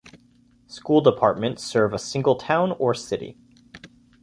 School Departments serve a single town or city.